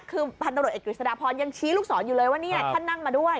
คือพันตรวจเอกฤษฎาพรยังชี้ลูกศรอยู่เลยว่านี่แหละท่านนั่งมาด้วย